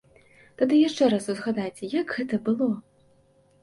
Тады яшчэ раз узгадайце, як гэта было.